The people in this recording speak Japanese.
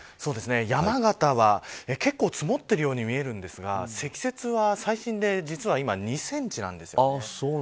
山形は結構積もっているように見えますが積雪は最新で現在２センチです。